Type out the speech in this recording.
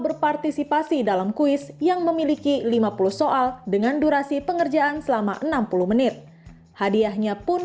berpartisipasi dalam kuis yang memiliki lima puluh soal dengan durasi pengerjaan selama enam puluh menit hadiahnya pun